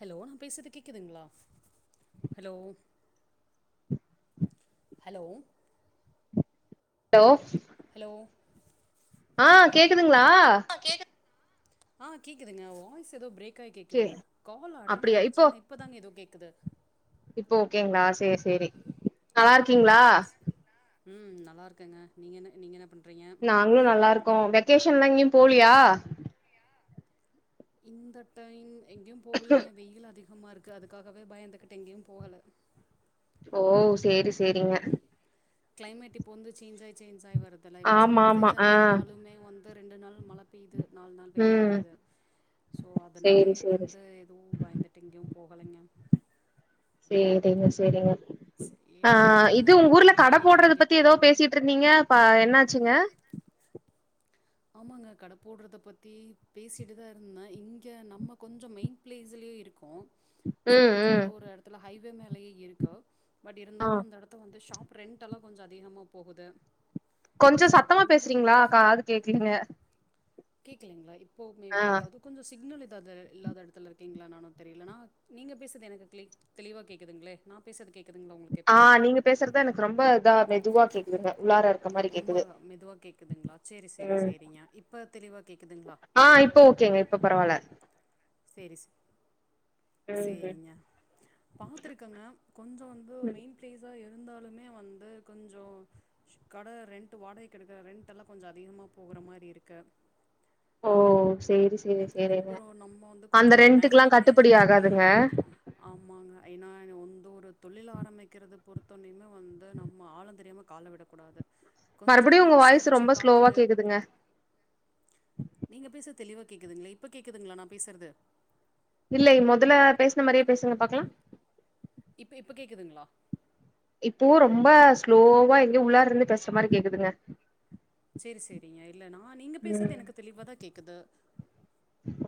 Hello நா பேசது கேக்குதுங்ளா ஹலோ ஹலோ லோ ஹலோ ஆ கேக்கு துங்ளா ஆ கேக்குதுங்க வாய்ஸ் எதோ ப்ரேக் கு சே கேக்குது கால் அட்டன் அப்டியா ஆயிடுச்ச இப்போ ஆனா இப்பதாங்க எதோ கேக்குது சேர் சேரி நல்லார்க்கீங்ளா ம் நல்லாருக்கேங்க நீங் என் நீங்க என்ன பண் நாங்ளு நல்லாருக் கோ வெக்கேஷன்லா எங்யு போலியா இந்த டைம் எங்யு போகலைங்க வெய்யில் அதிக் மாருக்கு அதுக்காகவே பயந்துக்கிட்டு எங்யு போகல ஓ சேரி சேரிங்க க்ளைமேட் இப்போ வந்து சேஞ் ஆய் சேஞ் ஆய் வரு இப்போ ஆமா சம்மர் ஆமா சீசனா ஆ இருந்தாலுமே வந்து ரெண்டு நாள் மழ பெய்யுது நால் நாள் வெய்யல் ம் அடிக்குது சோ சேரி அதனாலயே சேரி வந்து எதுவு பயந்துட்டு எங்கயு போகலைங்க சேரிங்க சேரிங்க அ சேரிங்க நீங்க இது என்ன உங்க ஊர்ல பண்ணிட்ருக்கீங்க கட நீங்கலா போட்றது எங்கயு பத்தி எதோ போகலைங்களா பேசிட்டு இருந்தீங்க பா என்னாச்சுங்க ஆமாங்க கட போட்றத பத்தி பேசிட்டு தா இருந்த இங்க நம்ம கொஞ்ச மெய்ண் ப்ளேஸ்லயு இருக்கோ சோ ம் கொஞ்சோ ம் வந்து ஒரு எடத்துல ஹை து மேலயே இருக்க பட் ஆ இருந்தாலு அந்த எடத்த வந்து ஷாப் ரெண்ட்டல கொஞ்ச அதிகமா போகுது கொஞ்ச ஸோ அது சத்தமா கொஞ்சோ பேசுறீங்ளா காது கேக்லீங்க கேக்குலீங்ளா இ ஓ மேபி எதாவ்து கொஞ்ச சிக்னல் த து இல்லாத எடத்துல இருக்கீங்ளானானு தெரிய்லனா நீங்க பேசஸ்றது எனக்கு க்ளி தெளிவா கேக்குதுங்ளே நா பேஸ்றது கேக் ஆ நீங்க பேசுறதா எனக்கு ரொம்ப இதா துவா கேக்குதுங்க உள்ளார இருக்க மாரி ரொம்ப கேக்குது மெதுவா கேக்குதுங்ளா சேரி சரி ம் சேரிங்க இப்ப தெளிவா கேக்குதுங்ளா ஆ இப்போ ஓகேங்க இப்ப பரவால்ல சேரி சே ம் சேரிங்க பாத்துருக்கங்க கொஞ்ச வந்து மெயின் ப்ளேஸா இருந்தாலுமே வந்து கொஞ்சோ கட ரெண்ட்டு வாடகக்கு எடுக்குற ரெண்டடல்லா கொஞ்சஅதிகமாக போகுற மாரி இருக்க ஓ சேரி சேரி சேரிங்க நம்ம வந்து அந்த கொஞ்சம் இந்த ரெண்ட்டுக்குலா டைமிங்கு கட்டுப்படி ஆகாதுங்க ஐனா வொந்து ஒரு தொழில் ஆரம்பிக்கிறது பொறுத்தோன்யுமே வந்து நம்ம ஆழ தெரியாம கால விடக்கூடாது கொஞ்சம் மறுபடியு உங்க எல்லாம் வாய்ஸ் விசாரித்து ரொம்ப ஸ்லோவா பார்த்துட்டு கேக்குதுங்க தெளிவ் கேக்குதுங்ள இப்ப கேக்குதுங்ளா நா பேசுறது இல்லை மொதல பேஸ்ன மாரியே பேசுங்க பாக்கலா இப்ப எப்ப கேக்குதுங்ளா இப்போவு ரொம்ப ஸ்லோவா எங்கயோ உள்ளாரு இருந்து பேஸ்ற மாரி கேக்குதுங்க சேரி சேரிங்க இல்ல நா நீங்க ம் பேஸ்றது எனக்கு தெளிவாதா கேக்குது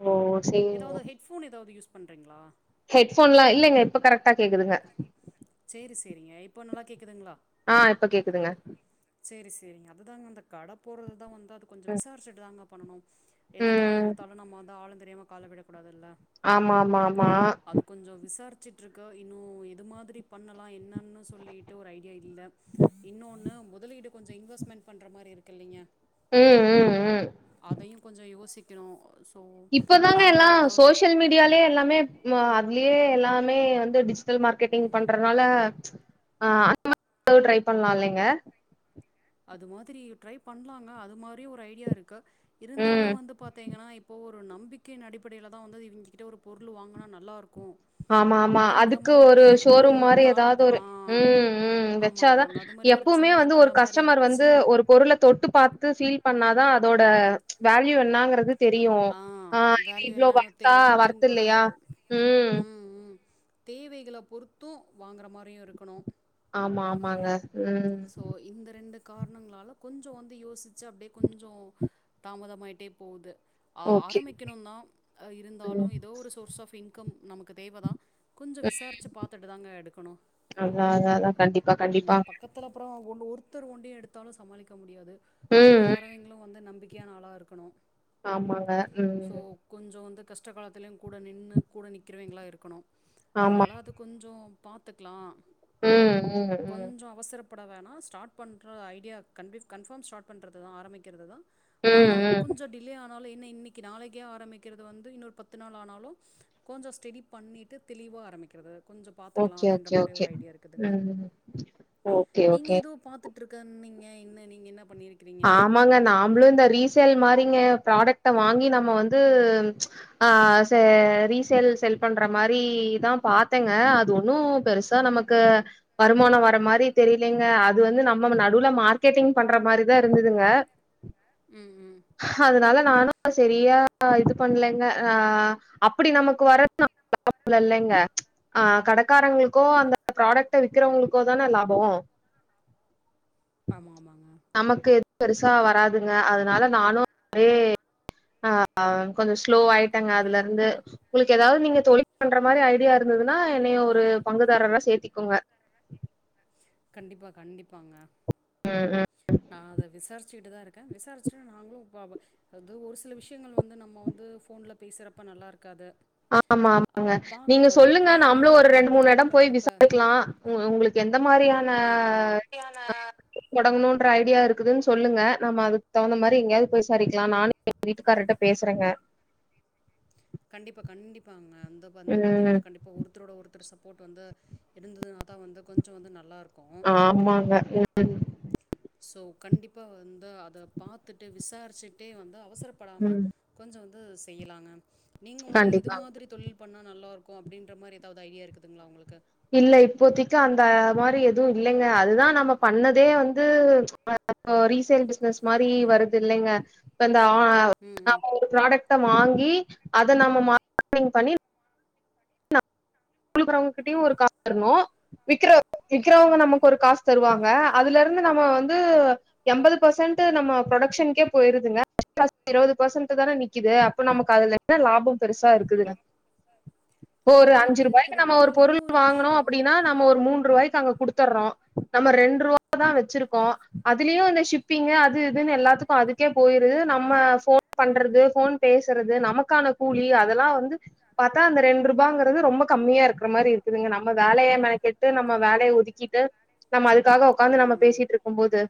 ஓ சேரிங்க ஏதாவ்து ஹெட்ஃபோன் ஏதாவ்து யூஸ் பண்றீங்ளா ஹெட்ஃபோன்லா இல்லைங்க இப்ப கரெக்டா கேக்குதுங்க சேரி சேரிங்க இப்போ நல்லா கேக்குதுங்ளா ஆ இப்ப கேக்குதுங்க சேரி சேரிங் அதுதாங் அந்த கட போட்றது தா வந் அது கொஞ்ச விசாரிச்சட்டு தாங்க பண்ணனு எந்த தொழில் எடுத்தாலு நம்ம வந்து ஆழ தெரியாம காலவிடக் ஆமாமாமா சிட்டுருக்க இன்னு எது மாத்ரி பண்ணலா இன்னன்னு சொல்லிட்டு ஒரு ஐடியா இல்ல இன்னொன்னு முதலீடு கொஞ்ச இன்வெஸ்ட்மெண்ட் பண்ற மாரி இருக்குல்லிங்க ம் ம் ம் அதையு கொஞ்ச யோசிக்கிணு இப்பதாங்க எல்லா சோசியல் மீடியாலே எல்லாமே அதுல் யே எல்லாமே வந்து டிஜிட்டல் மார்க்கெட்டிங் பண்றதுனால அ [inaudible] ட்ரை பண்லா இல்லைங்க அது மாதுரி ட்ரை பண்லாங்க அது மாதுரியா ஒரு ஐடியா இருக்கு இருந்தாலு ம் வந்து பாத்தீங்கனா இப்போ ஒ ஒரு நம்பிக்கையின் அடிப்படைல தா வந்து இவிங்கிட்ட ஒரு பொருள் வாங்குனா நல்லாருக் ஆமா ஆமா அதுக்கு ஒரு ஷோரூம் மாரி தாட்ல ஏதாவ்து ஒரு ஆ. ம் ம் ஆமா, வச்சாதா ஆமாங்க. அது மாரி ஒரு எப்பவுமே சின்ன வந்து கட ஒரு மாரி கஸ்டமர் வந்து வச்சு து ஒரு பொருள தொட்டு பாத்து ஃசீல் பண்ணாதா அதோட வேல்யூ என்னாங்ருது தெரியு ஆ இது வேல்யூ இவ்ளோ என்னன்னு வொர்த்தா தெரியும். வொர்த் அவிங்களோட இல்லயா ம் தேவைகள பொறுத்து வாங்கற மாரியு இருக்குணு மாங்க சோ இந்த ரெண்டு கார்ணங்களால கொஞ்சோ வந்து யோசிச்சு அப்டே கொஞ்சோ தாமதமாயிட்டே போகுது ஆ ஓகே ஆரம்பிக்கணு தா இருந்தாலு ம் எதோ ஒரு சோர்ஸ் ஆஃப் இன் கும் நமக் கு தேவ தா கொஞ்சோ ம் விசாரிச்சு பாத்துட்டு தாங்க எடுக்குணு அதா அதா அதா கண்டிப்பா எங்க கண்டிப்பா பக்கத் ஒ ஒன் ஒருத்தர் ஒண்டயு எடுத்தாலு சமாளிக்க முடியாது ம் கூட ம். வரவிங்ளு வந்து நம்பிக் க்யான ஆளா இர்க்கணு ஆமாங்க ம் வந்து கஷ்ட காலத்துலயு கூட நின்னு கூட நிற்கிறவிங்களா இருக்கணு ஆமா. அதனால அது கொஞ்சோ பாத்துக்லா ம் ம் ம் பட வேணா ஸ்டாட் பண்ற ஐடியா கன் கன்பஃபாம் ஸ்டார்ட் பண்றது தா ஆரம்பிக்கிறது தா ஆனா ம், ம். கொஞ்சோ டிலே ஆ னால என்ன இன்னிக்கு நாளக்கே ஆரம்பிக்கிறது வந்து இன்னொரு பத்து நாள் ஆனாலும் கொஞ்சோ ஸ்டெடி பண்ணிட்டு தெளிவா ஆரம்பிக்கிறது கொஞ்சம் பார்த்துக்கலாம் ஓகே அப்படின்ற ஓகே மாதிரி ஓகே ஒரு ம்ம் ஒகே நீங்க எதோ பாத்துட் ட்ருக்கன்னிங்க இன்ன நீங்க என்ன பண்ணியிருக்கிறீங்க ஆமாங்க நாம்ளு இந்த ரீசேல் மார் றீங்க ஃப்ராடக்ட வாங்கி நம்ம வந்து ஆ ரீசேல் செல் பண்ற மாரி தா பாத்தேங்க அது ஒன்னு பெருசா நமக்கு வருமான வர மாரி தெரியலங்க அது வந்து நம்ம நடுவுல மார்கெட்டிங் பண்ற மாரித் த இருந்துதுங்க ம் ம் அதுனால நானு செரியா இது பண்லங்க அ அப்புடி நமக்கு வரது லாபோ இல்லலங்க அ கடக்காரங்ளுக்கோ அந்த ப்ராட்க்ட்ட விக்கிறவங்களுக்கோ தான லாபோ ஆமா ஆமாங்க நமக்கு எது பெருசா வராதுங்க அதனால நானு அ கொஞ்சோ ஸ்லோ ஆயிட்டங்க அதுலருந்து உங்களுக்கு எதாது நீங்க தொழில் பண்ற மாரி ஐடியா இருந்ததுன்னா என்னையு ஒரு பங்குதாரரா சேத்திக்கோங்க கண்டிப்பா கண்டிப்பாங்க நா‌ அத விசார் ச்சிட்டு தா‌ இருக்க விசாரிச்சுட்டு நாங்ளு ஒரு சில விஷ்யங்கள் வந்து நம்ம வந்து ஃபோன்ல பேசுறப்ப நல்லாருக்காது ஆமா ஆமாங்க நீங்க சொல்லுங்க நேர்ல நம்மளு ஒரு நாள் ரெண்டு வந்து மூணு இடோ மீட் போய் பண்றப்ப விசாரிக்லா உங்ளுக்கு எந்த மாரியான ஆ, ஆ. அ தொடங்ணு ன்ற ஐடியா இருக்குதுன்னு சொல்லுங்க நம்ம அதுக்கு தகுந்த மாரி எங்கயாவ்து போய் விசாரிக்லா நானு எங் வீட்டுக்காரர்ட்ட பேசுறங்க கண்டிப்பா கண்டிப்பாங்க அந்த வந்து பாத்தீங்கன்னா ம் கண்டிப்பா ஒருத்தரோட ஒருத்தர் சப் போட் வந்து இருந்ததுனாதா வந்து கொஞ்சோ வந்து நல்லாரு ஆமாங்க இது சோ கண்டிப்பா வந்து அத பாத்துட்டு விசாரிச்சுட்டே வந்து அவசரப்படாம ம் கொஞ்சோ து செய்லாங்க நீங்க வந்து இது கண்டிப்பா மாதிரி தொழில் பண்ணா நல்லா இருக்கு அப்டின்ற மாரி எதாவ எதா ஐடியா இருக்குதுங்ளா உங்களுக்கு இல்ல இப்போதைக்கு அந்த மாரி எதுவு இல்லைங்க அதுதா நம்ம பண்ணதே வந்து ரீசேல் பிஸ்னஸ் மாரி வருது இல்லைங்க ஆஹ் ம், ம். நம்ம ஒரு ப்ராடக்ட்ட வாங்கி அத நாம மார்க்கெட்டிங் பண்ணி அனுப்புறவங்ககிட்டயு ஒரு காசு தரணு விக்குற விக்குறவங்க நமக்கு ஒரு காசு தருவாங்க அதுலருந்து நம்ம வந்து எண்பது பெர்சன்ட் நம்ம ப்ரொடக்ஷன்கே போயிருதுங்க இருபது பெர்சன்ட் தானே நிக்குது அப்ப நமக்கு அதுல என்ன லாபோ பெருசா இருக்குதுங்க ஒரு இது அஞ்சு ஒண்ணு ரூ இருக்குதுங்க நம்ம ஒரு பொருள் இன்னொரு வாங்கினோ விஷயம் அப்டினா நம்ம ஒரு மூன்று ரூவாய்க்கு அங்க குடுத்துறோ நம்ம ரெண்டு ரூவாதா வெச்சிருக்கோ அதுலயு இந்த ஷிப்பிங்கு அது இதுனு எல்லாத்துக்கு அதுக்கே போயிருது நம்ம ஃபோன் பண்றது ஃபோன்பேசுறது நமக்கான கூலி அதெல்லா வந்து பாத்தா அந்த ரெண்டு ரூபாங்கிறது ரொம்ப கம்மியா இருக்குற மாரி இருக்குதுங்க நம்ம வேலைய மெனக்கெட்டு நம்ம வேலைய ஒதுக்கிட்டு நம்ம அதுக் காக‌ ஒக்காந்து நம்ம ம் பேசிட்டுருக்கும்போது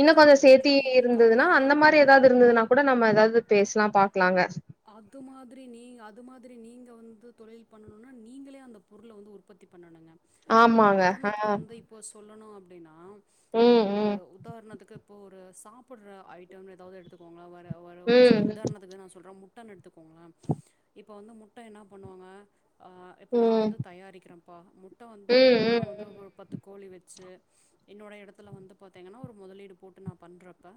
இன்னு கொஞ்சோ ரெண்டு சேத்தி ரூவாங்கிறது இருந்ததுன்னா கம்மியா அந்த மாரி எதாவது இருந்ததுனா கூட நம்ம எதாவது பேசலா பாக்கலாங்க அது மாதிரி நீ அது மாதிரி நீங்க வந்து தொழில் பண்ணனுனா நீங்களே அந்த பொருள வந்து உற்பத்தி பண்ணணுங்க ஒரு ஆமாங்க. ஆ. உதாரணத்துக்கு வந்து இப்போ சொல்லணு அப் அப்படினா ம், இப்போ ஒரு ம், உதாரணத்துக்கு இப்போ ஒரு சாப்பிடற ஐட்டம்னு எதாவது எடுத்துக்கோங்களே வ ஒரு ஒரு ம், சின்ன உதாரணத்துக்குதா நா சொல்ற முட் டனு எடுத்துக்கோங்களேன் இப்போ வந்து முட்ட என்ன பண்ணுவாங்க இப்போ நா ம். வந்து தயாரிக்கிறன்ப்பா முட்ட வந்து ம் நா ம் வந்து ஒரு பத்து கோழி வெ சு என்னோட எடத்துல வந்து பாத்தீங்கன்னா ஒரு முதலீடு போட்டு நா பண்றப்ப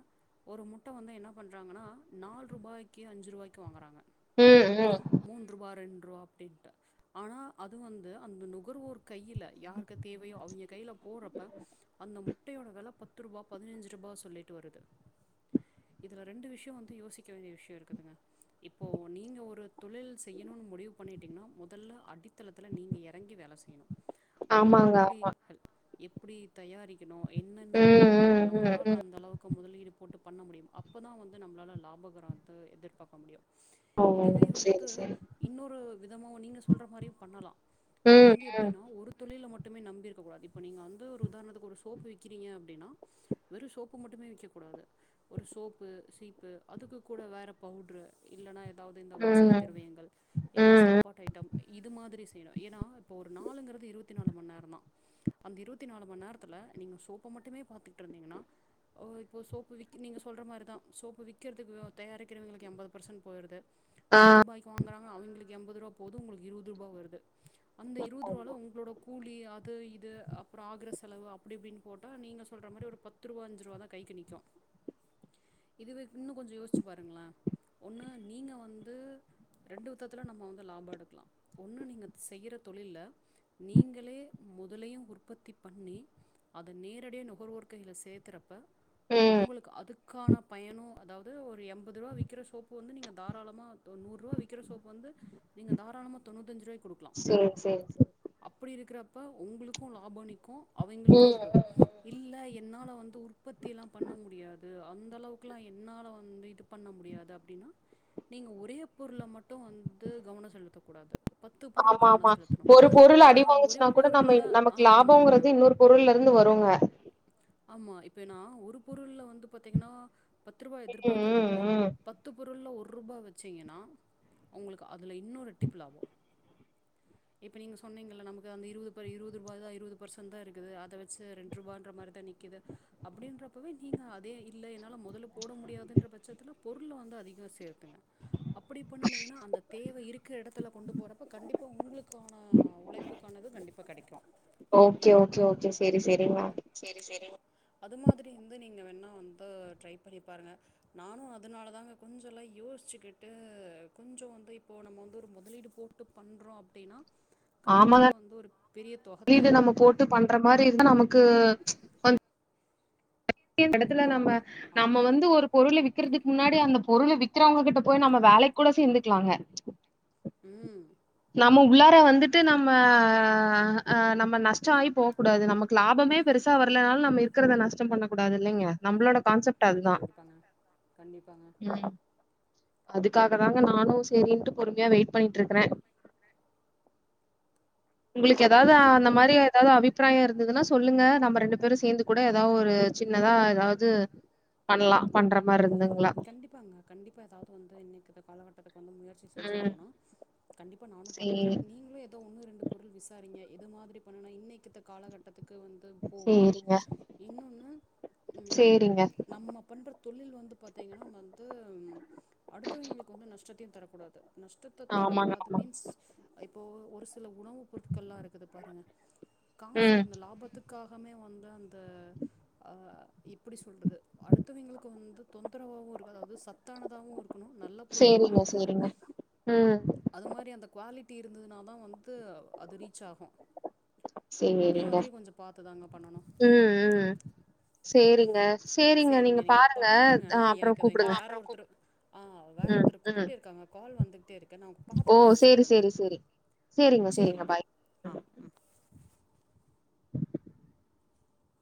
ஒரு முட்ட வந்து என்ன பண்றாங்கன்னா நான்கு ரூபாய்க்கு அஞ்சு ரூவா க்கு வாங்குறாங்க உம் உம் ரூவா அப்படின்ட்டு ஆனா அது வந்து அந்த நுகர்வோர் கையில யாருக்கு தேவையோ அவ் கையில போறப்ப அந்த முட்டையோட வில பத்து ரூபா பதினஞ்சு ரூபா சொல்லிட்டு வருது இதில் ரெண்டு விஷயோ வந்து யோசிக்க வேண்டிய விஷயோ இருக்குதுங்க இப்போ நீங்க ஒரு தொழில் செய்யணுனு முடிவு பண்ணிட்டீங்கனா முதல்ல அடித்தளத்துல நீங்க இறங்கி வேல செய்யணு அது ஆமாங்க எப்படி ஹ எப் எப்படி தயாரி க்கனு என்னென்ன ம் பண்ணணு ம் ம் நம்மளால ம் அந்த அளவுக்கு முதலீடு போட்டு பண்ண முடியு அப்பொதா வந்து நம்ளால லாபொகரத வந்து எதிர் பாக் க முடியு ஓ இதுவே வந்து சேரி சேரி இன்னொரு விதமாவு நீங்க சொல்ற மாரியு பண்ணலா அது ம் வந்து ம் எப்டின்னா ஒரு தொழில மட் டுமே நம்பி இருக்கக்கூடாது இப்போ நீங்க வந்து ஒரு உதாரனத்துக்கு ஒரு சோப்பு விக்கிறீங்க அப்டினா வெறு சோப்பு மட்டுமே விக்கக்கூடாது ஒரு சோப்பு சீப்பு அதுக்குக் கூட வேற பவு ட்ரு இல்லனா எ தாவது இந்த வாசனை ம் திரவியங்கள் இல்ல ம் சாப்பாடு ஐட்டம் இது மாதிரி செய்யணு ஏன்னா இப்போ ஒரு நாளுங்குறது இருவத்தி நாலு மணி நேரொ தா அந்த இருவத்தி நாலு மணி நேரத்துல நீங்க சோப்ப மட்டுமே பாத்துட்டு இருந்தீங்கன்னா ஒ இப்போ சோப்பு விக் நீங்கள் சொல்ற மாரி தா சோப்பு விக்கிறதுக்கு தயாரிக்கிறவங்களுக் எண்பது பர்சன்ட் போயிடுது ஆ நூரூபாய்க்கு வாங்குனா அ அவங்களுக்கு எண்பது ரூவா போது உங்களுக்கு இருவது ரூபா வருது அந்த இருவது ரூவால உங்களோட கூலி அ அது இது அப்புறொ ஆகுற செலவு அப்டி இப்டின்னு போட்டா நீங்க சொல்ற மாரி ஒரு பத்துரூவா அஞ்சு ரூவா தா கைக்கு நிக்கு இதுவே இன்னு கொஞ்சோ யோச்சு பாருங்களே ஒன்னு நீங்க வந்து ரெண்டு விதத்துல நம்ம வந்து லாபொ எடுக்கலா ஒன்னு நீங்க அது செய்யிற தொழில்ல நீங்களே முதலையு உற்பத்தி பண்ணி அத நேரடியா நுகர்வோர்கையில சேத்துறப்ப ம் உங்களுக்கு அதுக்கான பயனோ அதாவ் து ஒரு எம்பது ரூவா விக் க்குற சோப்பு வந்து நீங்க தாராளமா ஒரு நூருவா விக்குற சோப்பு வந்து நீங்க தாராளமா தொண்ணூத்தஞ்சி ரூவாய் சேரி சேரி சேரி ப்படி இருக்கிறப்ப உங்களுக்கு லாபொ நி க்கு அவைங்களுக்கு ம் ஒரு ம் இல்ல என்னால வந்து உற்பத்தி எல்லா பண்ண முடியாது அந்தளவுக்குல்லா என்னால வந்து இது பண்ண முடியா து அப்டின்னா நீங்க ஒரே பொருல மட்டு வந்து கவனொ செலுத்தக் கூடாது ஆமா ஆமா ஒரு பொருள் அடி ஏன்னா ஒரே வாங்குச்சுன்னா கூடிய நம்ம பொருளில் நமக்கு ஆமாங்க லாபங்கறது இன்னொரு பொருள்ள இருந்து வருங்க ஆமா இப்ப நா ஒரு பொருள்ல வந்து பாத்தீங்கன்னா பத்து ரூவா ம் எதிர்பாக்கறதோட ம் ம் பத்து பொருள்ல ஒரு ரூபா வச்சீங்கன்னா உங்களுக்கு அதுல இன்னு இரட்டிப்பு லாபொ இப்போ நீங்க சொன்னீங்கள்ல நமக்கு அந்த இருபது ரூபா இருபது ரூபா தா இருபது பெர்சண்ட் தா இருக்குது அத வச்சு ரெண்டு ரூபான்ற மாரிதா நி க்குது அப்டின்றப்பவே நீங்க அதே இல்ல என்னால மொதல்ல போட முடியாதுன்ற பட்சத்துல பொருள வந்து அதிக சேர் அப்டி பண்ணுனீங்கன்னா அந்த தேவ இருக்குற எடத்துல கொண்டு போறப்ப கண்டிப்பா உங்களுக்கான உழைப்புக்கானது கண்டிப்பா கெடைக்கு செரி செரிங்கமா அது மாதிரி இருந்து நீங்க வேணா வந்து ட்ரை பண்ணி பாருங்க நானு அதனால தாங்க கொஞ்சொ எல்லா யோசிச்சுக்கிட்டு கொஞ்சொ வந்து இப்போ நம்ம வந்து ஒரு முதலீடு போட்டு பண்றோ அப்டின்னா ஆமாங்க தொகை இது தேவை நம்ம போட்டு பண்ற மாரி இருந்தா நமக் கு வந் டின் எடத்துல நம்ம நம்ம ஆமா வந்து ஒரு பொருள வி க்கிறதுக்கு முன்னாடி அந்த பொருள வித்துறவங்க கிட்ட போய் நம்ம வேலைக்கு கூட சேந்துக்கலாங்க உம் நம்ம உள்ளார வந்துட்டு நம்ம அஹ் நம்ம நஷ்டொ ஆயி போக்கூடாது நமக்கு லாபமே பெருசா வரலனாலு நம்ம இருக்கிறத நஷ்டொ பண்ண கூடாது இல்லைங்க நம்மளோட கான்செப்ட் கண்டிப்பா அதுதான் கண்டிப்பாங்க கண்டிப்பாங்க ம் அதுக்காக தாங்க நானும் சேரின்ட்டு பொறுமையா வெயிட் பண்ணிட்டு இருக்கறேன் உங்களுக்கு ஏதாவது கண்டிப் அந்த மாரி ஏதாவது அபிப்பிராயம் இருந்ததுன்னா சொல்லுங்க நம்ம ரெண்டு பேரும் சேர்ந்து கூட ஏதாவது ஒரு சின்னதா ஏதாவது பண்ணலாம் பண்ற மாதிரி இருந்தங்க கண்டிப்பாங்க கண்டிப்பா ஏதாவது வந்து இன்னைக்கு அந்த காலகட்டம் வந்து முயற்சி செஞ்சுதா ம் ஆகனும்னா கண்டிப்பா நானும் சரி பண்றேன் நீங்களும் ஏதோ ஒன்னும் ரெண் டு பொருள் விசாரிங்க எது மாதிரி பண்ணனும் இன்னைக்கு ஏத்த காலகட்டத்து க்கு வந்து போவோம் சரிங்க இன்னொன்னு உம் சரிங்க நம்ம பண்ற தொழில் வந்து பார்த்தீங்கன்னா வந்து அடுத்தவைங்களுக்கு வந்து நஷ்டத்தையும் தரக் கூடாது நஷ்டத்த ஆமாங்க தரக்கூடாது ஆமா மீன்ஸ் இ ப்போ ஒரு சில உணவு பொருட்கள் எல்லாம் இருக்குது பாருங்க காசு ம் இந்த லாபத்துக்காகமே வந்து அந்த அஹ் இப்படி சொல்றது அடுத்தவைங்களுக்கு வந்து தொந்தரவாகவும் இருக்காது அதாவது சத்தானதாகவும் இரு க்குணும் நல்ல பொருளாவும் சரிங்க இருக்கணும் சரிங்க ம் அது மாதிரி அந்த குவாலி ட்டி இருந்ததுனா தான் வந்து அது ரீச் ஆகும் அது சேரிங்க மாதிரி கொஞ்சம் பார்த்து தாங்க பண்ணணும் உம் உம் சேரிங்க சேரிங்க நீங்க பாருங்க அ அப்புறம் எனக்கு அதை இங்க கூப்புடுங்க. வேற ஒருத்தரு ஆஹ் வேற ம், ஒருத்தரு ம். கூப்டுட்டே இருக்காங்க கால் வந்துட் டே இருக்கு நான் ஓ! பார்த்துட்டு அப்புறம் சேரி, கூப்பிட்டுறேங்க சேரி, சேரி. சேரிங்க அஹ்